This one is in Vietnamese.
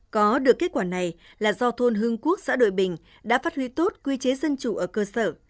có được kết quả này là do thôn hưng quốc xã đội bình đã phát huy tốt quy chế dân chủ ở cơ sở